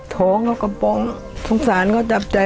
ท้องเขาก็ป้องสงสารเขาจับใจ